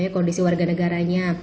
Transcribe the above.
kondisi warga negaranya